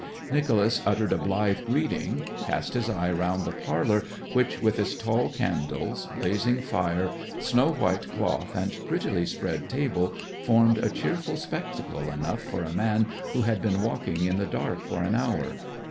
Nicholas uttered a blithe greeting, cast his eye round the parlour, which with its tall candles, blazing fire, snow white cloth, and prettily spread table, formed a cheerful spectacle enough for a man who had been walking in the dark for an hour.